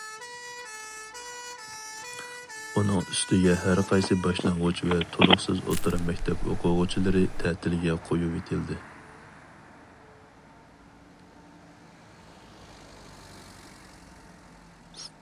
ئۇنىڭ ئۈستىگە ھەر قايسى باشلانغۇچ ۋە تولۇقسىز ئوتتۇرا مەكتەپ ئوقۇغۇچىلىرى تەتىلگە قويۇۋېتىلدى.